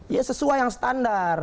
ya sesuai yang standar